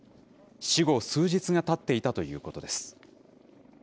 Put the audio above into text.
死後、数日がたっていたということです。